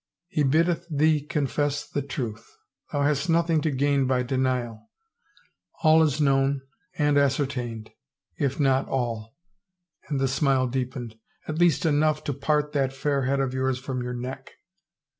" He biddeth thee confess the truth. Thou hast noth ing to gain by denial. All is known and ascertained — if not all —" and the smile deepened —" at least enough to part that fair head of yours from your neck.